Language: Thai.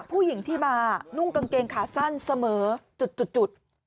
ผู้หญิงที่มานุ่งกางเกงขาสั้นเสมอจุด